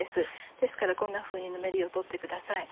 ですからこんなふうにぬめりを取ってください。